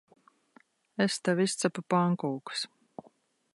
Es tev izcepu pankūkas.